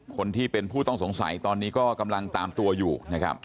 คนที่เป็นผู้ต้องสงสัยตอนนี้ก็กำลังตามตัวอยู่นะครับ